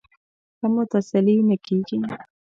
که مو تسلي نه کېږي.